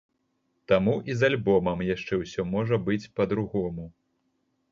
Таму і з альбомам яшчэ усё можа быць па-другому.